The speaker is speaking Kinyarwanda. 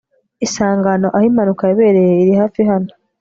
isangano aho impanuka yabereye iri hafi hano